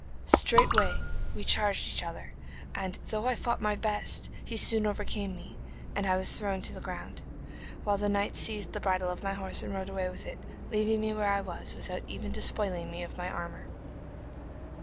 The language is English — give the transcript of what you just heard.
Straightway we charged each other, and though I fought my best, he soon overcame me, and I was thrown to the ground, while the knight seized the bridle of my horse, and rode away with it, leaving me where I was, without even despoiling me of my armour.